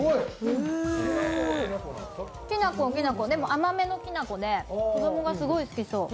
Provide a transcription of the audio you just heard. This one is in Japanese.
きな粉はきな粉、でも甘めのきな粉で、子供がすごい好きそう。